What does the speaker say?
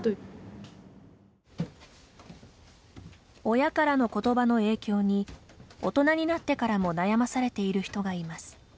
親からの言葉の影響に大人になってからも悩まされている人がいます。